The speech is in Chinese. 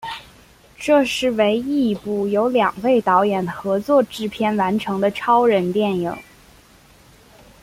这是唯一一部由两位导演合作制片完成的超人电影。